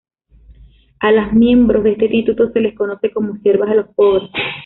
A las miembros de este instituto se les conoce como siervas de los pobres.